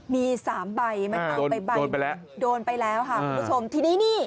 มีสามใบโดนไปแล้วโดนไปแล้วค่ะคุณผู้ชมทีนี้นี่